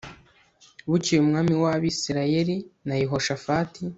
Bukeye umwami wAbisirayeli na Yehoshafati